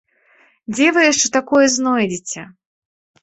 Дзе вы яшчэ такое знойдзеце?